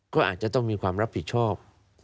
ก็อาจจะต้องมีความรับผิดชอบ